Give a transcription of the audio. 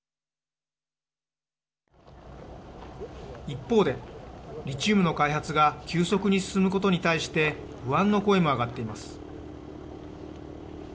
一方でリチウムの開発が急速に進むことに対して不安の声も上がっています。